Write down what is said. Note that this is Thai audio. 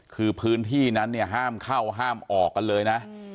คือพื้นที่นั้นเนี่ยห้ามเข้าห้ามออกกันเลยนะ